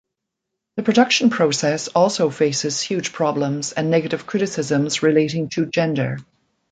The production process also faces huge problems and negative criticisms relating to gender.